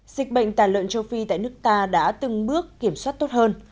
dịch bệnh tàn lợn châu phi tại nước ta đã từng bước kiểm soát tốt hơn